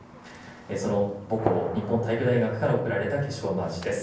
その母校、日本体育大学から贈られた化粧まわしです。